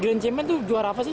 grand champion tuh juara apa sih